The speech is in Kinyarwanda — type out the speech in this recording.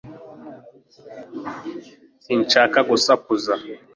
sinshaka gusakuza